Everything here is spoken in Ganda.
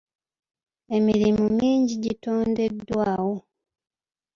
Emirimu mingi gitondeddwawo.